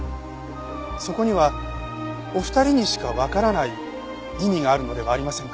そこにはお二人にしかわからない意味があるのではありませんか？